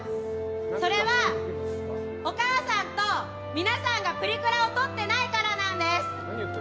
それは、お母さんと皆さんがプリクラを撮ってないからなんです。